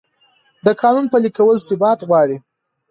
د قانون پلي کول ثبات غواړي